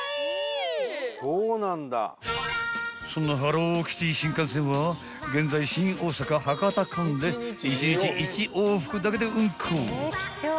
［そんなハローキティ新幹線は現在新大阪博多間で１日１往復だけで運行］